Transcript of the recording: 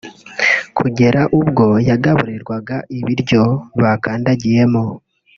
kugera ubwo yagaburirwaga ibiryo bakandagiyemo